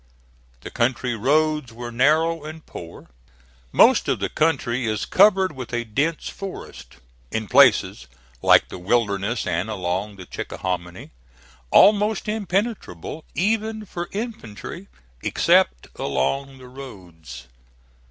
The country roads were narrow and poor. Most of the country is covered with a dense forest, in places, like the Wilderness and along the Chickahominy, almost impenetrable even for infantry except along the roads.